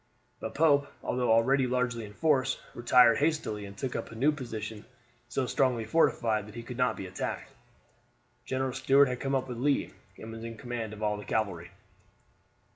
But Pope, although already largely reinforced, retired hastily and took up a new position so strongly fortified that he could not be attacked. General Stuart had come up with Lee, and was in command of all the cavalry.